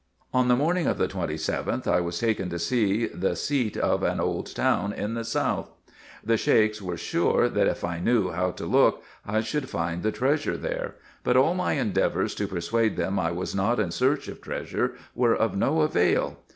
On the morning of the 27th, I was taken to see the seat of an old town in the south. The Sheiks were sure, that if I knew how to look I should find the treasure there ; but all ray endeavours to persuade them I was not in search of treasure were of no avail.